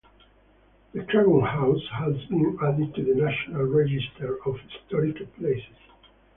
The Cragun House has been added to the National Register of Historic Places.